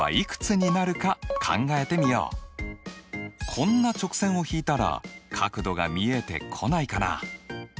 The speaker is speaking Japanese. こんな直線をひいたら角度が見えてこないかな？